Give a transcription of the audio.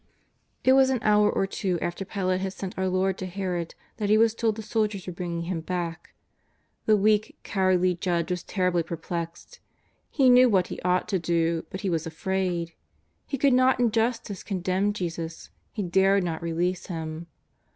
It was an hour or two after Pilate had sent our Lord to Herod that He was told the soldiers were bringing Him back. The weak, cowardly judge was terribly perplexed. He knew what he ought to do, but he was afraid. He could not in justice condemn Jesus; he dared not release Him.